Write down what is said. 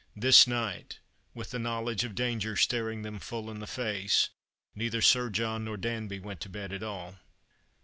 This night— with the knowledge of danger staring them full in the face — neither Sir John nor Danby went to bed at all.